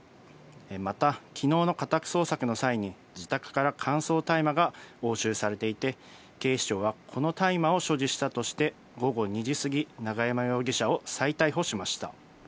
また、きのうの家宅捜索の際に自宅から乾燥大麻が押収されていて、警視庁はこの大麻を所持したとして、午後２時過ぎ、永山容疑者を再逮捕しました。